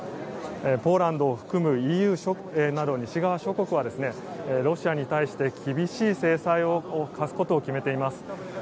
ポーランドを含むＥＵなど西側諸国はロシアに対して厳しい制裁を科すことを決めています。